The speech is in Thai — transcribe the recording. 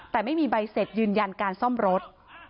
แต่ไม่มีใบเสร็จยืนยันการซ่อมรถ